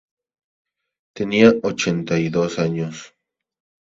Tenía ochenta y dos años.